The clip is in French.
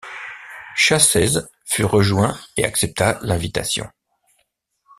Chasez fut rejoint et accepta l'invitation.